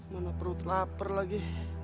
mana perut lapar lagi